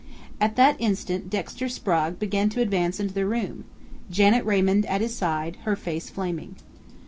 At that instant Dexter Sprague began to advance into the room, Janet Raymond at his side, her face flaming.